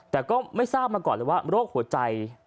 แต่ก็ไม่ทราบมาก่อนเลยว่าโรคหัวใจ